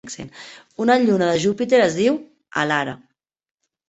Una lluna de Júpiter es diu Elara.